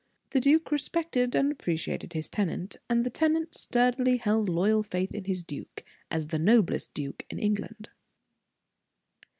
The duke respected and appreciated his tenant, and the tenant sturdily held loyal faith in his duke, as the noblest duke in England.